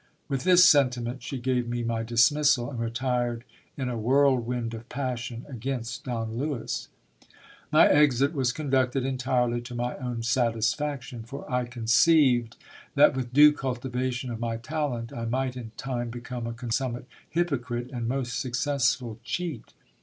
With this sentiment she gave me my dismissal, and retired in a whirlwind of passion against Don Lewis. My exit was conducted entirely to my own satisfaction, for I conceived that with due cultivation of my talent I might in time become a consummate hypo crite and most successful cheat.